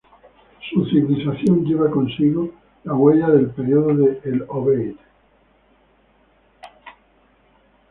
Su civilización lleva consigo la huella del período de El Obeid.